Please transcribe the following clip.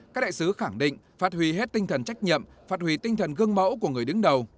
các đại sứ khẳng định phát huy hết tinh thần trách nhiệm phát huy tinh thần gương mẫu của người đứng đầu